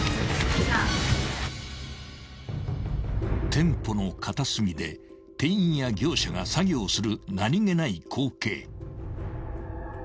［店舗の片隅で店員や業者が作業する何げない光景］